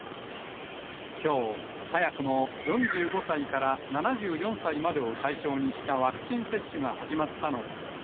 きょう、早くも４５歳から７４歳までを対象にしたワクチン接種が始まったのです。